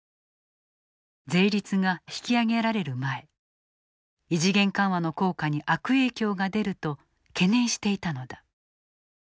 税率が引き上げられる前異次元緩和の効果に悪影響が出ると懸念していたのだ。